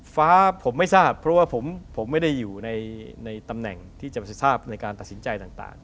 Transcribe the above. ฟ้าผมไม่ทราบเพราะว่าผมไม่ได้อยู่ในตำแหน่งที่จะทราบในการตัดสินใจต่าง